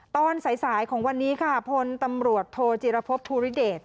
ตอนสายของวันนี้ค่ะพลตำรวจโทจิรพบภูริเดช